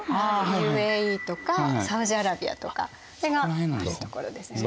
ＵＡＥとかサウジアラビアとかそれがあるところですよね。